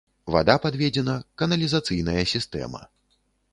Вада падведзена, каналізацыйная сістэма.